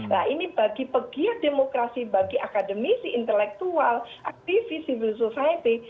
nah ini bagi pegiat demokrasi bagi akademisi intelektual aktivis civil society